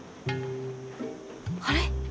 あれ？